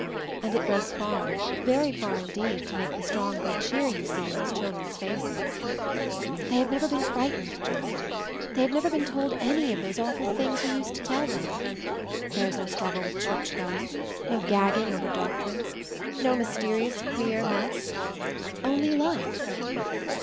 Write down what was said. And it goes far, very far indeed, to make the strong good cheer you see in these children's faces. "They have never been frightened, John. They have never been told any of those aw ful things we used to tell them. There is no struggle with church going, no gagging over MOVING THE MOUNTAIN 201 doctrines, no mysterious queer mess — only life.